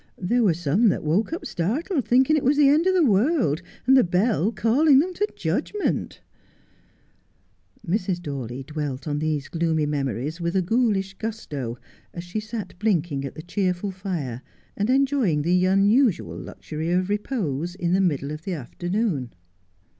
There were some that woke up startled, thinking it was the end of the world, and the bell calling them to judgment !' Mrs. Dawley dwelt on these gloomy memories with a ghoul ish gusto, as she sat blinking at the cheerful fire and enjoying the unusual luxury of repose in the middle of the afternoon.